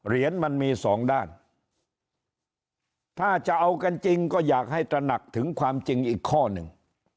มันมีสองด้านถ้าจะเอากันจริงก็อยากให้ตระหนักถึงความจริงอีกข้อหนึ่ง